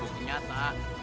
itu bu si nyata